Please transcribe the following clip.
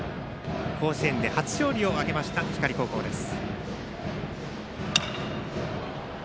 甲子園で初勝利を挙げました光高校です。